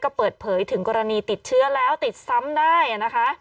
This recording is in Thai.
ก็เปิดเผยถึงกรณีติดเชื้อแล้วติดซ้ำได้นะคะ